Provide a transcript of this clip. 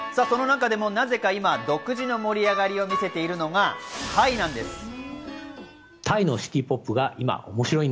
その中でも、なぜか今、独自の盛り上がりを見せているのがタイなんです。